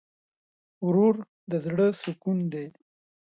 ورور د زړه سکون دی.